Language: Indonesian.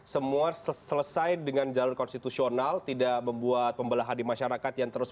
semua selesai dengan jalur konstitusional tidak membuat pembelahan di masyarakat yang terus